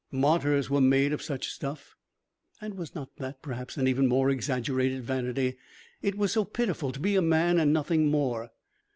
Martyrs were made of such stuff. And was not that, perhaps, an even more exaggerated vanity? It was so pitiful to be a man and nothing more.